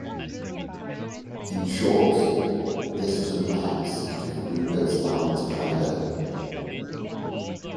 In short, this was an act giving Rupert's Land to Canada.